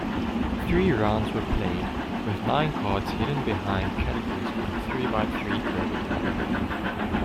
Three rounds were played, with nine cards hidden behind categories on a three-by-three grid.